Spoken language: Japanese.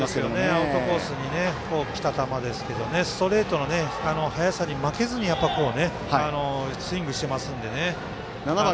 アウトコースにきた球ですけどストレートの速さに負けずにスイングしてますのでね。